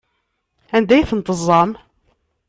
Anda ay ten-teẓẓam?